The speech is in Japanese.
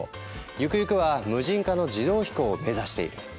ゆくゆくは無人化の自動飛行を目指している。